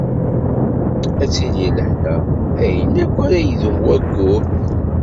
Ad tili lehna, ayen akk ara idum wayyur.